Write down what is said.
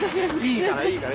いいからいいから。